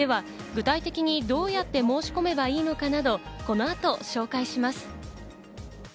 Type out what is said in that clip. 具体的にどうやって申し込めばいいのかなど、この後、紹介します。